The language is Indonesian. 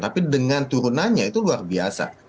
tapi dengan turunannya itu luar biasa